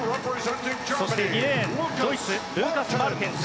そして２レーンドイツ、ルーカス・マルテンス。